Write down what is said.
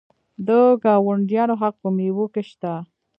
د ګاونډیانو حق په میوو کې شته.